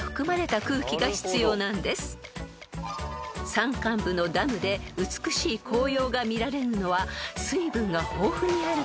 ［山間部のダムで美しい紅葉が見られるのは水分が豊富にあるから］